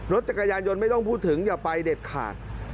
รถจักรยานยนต์ไม่ต้องพูดถึงอย่าไปเด็ดขาด